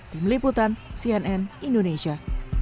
tim liputan cnn indonesia